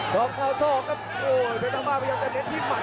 ส้อมเคล้าท่อกับโอ้พยาบาลพยาบเองจะเห็นที่มัด